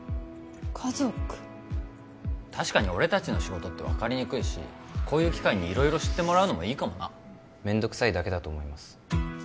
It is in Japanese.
家族確かに俺達の仕事って分かりにくいしこういう機会に色々知ってもらうのもいいかもなめんどくさいだけだと思います